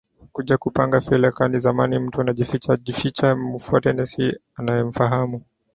kuja kupanga file kama zamani mtu anajificha jificha mtafute nesi anayemfahamu